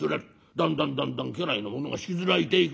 だんだんだんだん家来の者が引きずられていく。